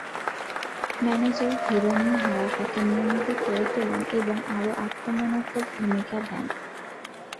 Manager Hiromi Hara তাকে নিয়মিত করে তোলেন এবং আরও আক্রমণাত্মক ভূমিকা দেন।